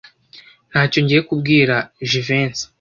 Ntacyo ngiye kubwira Jivency.